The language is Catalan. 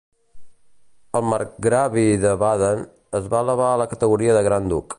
El marcgravi de Baden es va elevar a la categoria de Gran Duc.